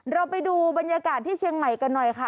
เราไปดูบรรยากาศที่เชียงใหม่กันหน่อยค่ะ